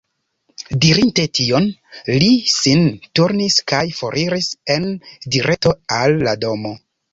Dirinte tion, li sin turnis kaj foriris en direkto al la domo.